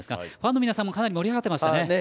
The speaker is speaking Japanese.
ファンの皆さんもかなり盛り上がっていましたね。